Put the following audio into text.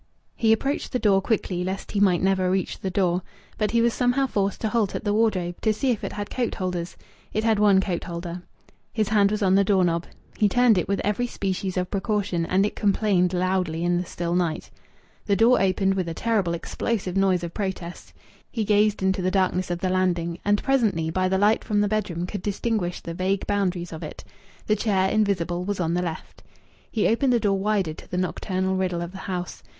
He approached the door quickly, lest he might never reach the door. But he was somehow forced to halt at the wardrobe, to see if it had coat holders. It had one coat holder.... His hand was on the door knob. He turned it with every species of precaution and it complained loudly in the still night. The door opened with a terrible explosive noise of protest. He gazed into the darkness of the landing, and presently, by the light from the bedroom, could distinguish the vague boundaries of it. The chair, invisible, was on the left. He opened the door wider to the nocturnal riddle of the house.